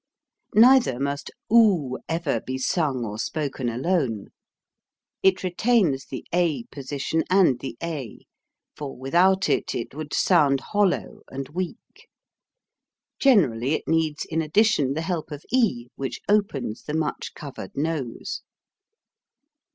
Neither must oo ever be sung or spoken alone. It retains the a posi tion and the a, for without it it would sound hollow and weak. Generally it needs in addition the help of e, which opens the much covered nose.